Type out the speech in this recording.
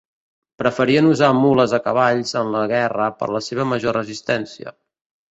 Preferien usar mules a cavalls en la guerra per la seva major resistència.